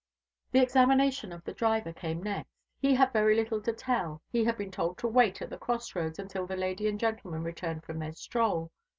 The examination of the driver came next. He had very little to tell. He had been told to wait at the cross roads until the lady and gentleman returned from their stroll.